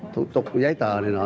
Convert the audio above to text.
thủ tục giấy tờ này nọ